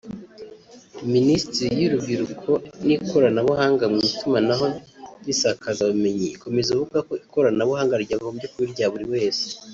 Ministeri y’urubyiruko n’ikoranabuhanga mu Itumanaho n’isakazabumenyi ikomeza ivuga ko ikoranabuhanga ryagombye kuba irya buri wese